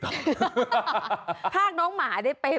ภาคน้องหมาเด็กเป้น